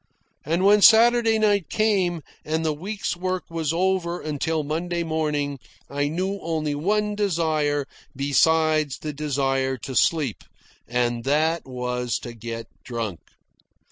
And when Saturday night came, and the week's work was over until Monday morning, I knew only one desire besides the desire to sleep, and that was to get drunk.